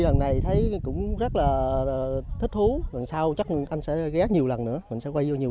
lần này thấy cũng rất là thích thú lần sau chắc anh sẽ ghé nhiều lần nữa mình sẽ quay vô nhiều